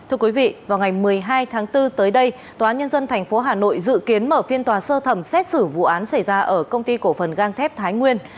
thưa quý vị vào ngày một mươi hai tháng bốn tới đây tòa nhân dân tp hà nội dự kiến mở phiên tòa sơ thẩm xét xử vụ án xảy ra ở công ty cổ phần gang thép thái nguyên